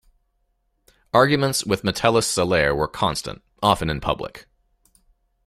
Arguments with Metellus Celer were constant, often in public.